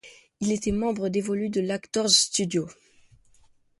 Il était membre dévolu de l'Actors Studio.